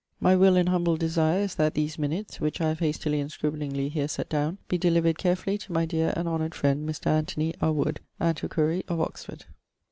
My will and humble desire is that these minutes, which I have hastily and scriblingly here sett downe, be delivered carefully to my deare and honoured friend Mr. Anthony à Wood, antiquary, of Oxford.